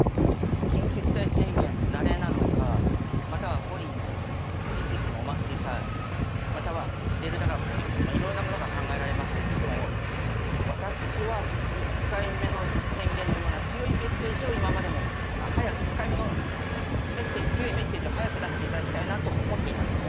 緊急事態宣言慣れなのかまたは五輪のオリンピックのお祭り騒ぎまたはデルタ株の影響色々なものが考えられますが私は１回目の宣言のような強いメッセージを今までも１回目の強いメッセージを早く出していただきたいなと思っていたんですね。